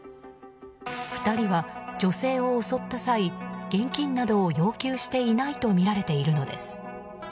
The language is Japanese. ２人は女性を襲った際現金などを要求していないとみられているのです。